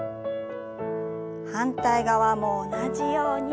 反対側も同じように。